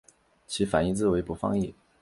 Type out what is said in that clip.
其反义字为不放逸。